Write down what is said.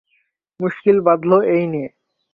মুশকিল বাধল এই নিয়ে।